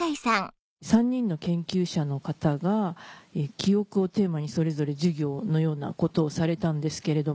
３人の研究者の方が記憶をテーマにそれぞれ授業のようなことをされたんですけれども。